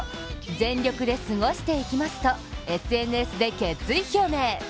全力で過ごしていきますとＳＮＳで決意表明。